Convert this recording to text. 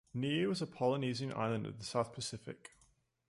Niue is a Polynesian island in the South Pacific.